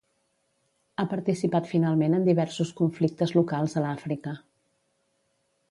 Ha participat finalment en diversos conflictes locals a l'Àfrica.